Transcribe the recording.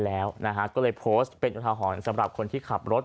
แล้วก็เลยโพสต์เป็นอุทาหรณ์สำหรับคนที่ขับรถ